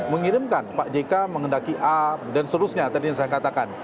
mengirimkan pak jk mengendaki a dan seterusnya tadi yang saya katakan